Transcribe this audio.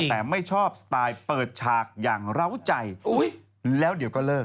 แต่ไม่ชอบสไตล์เปิดฉากอย่างเหล้าใจแล้วเดี๋ยวก็เลิก